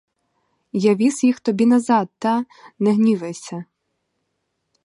Я віз їх тобі назад, та — не гнівайся!